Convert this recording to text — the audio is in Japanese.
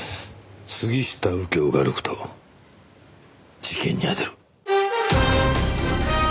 杉下右京が歩くと事件に当たる。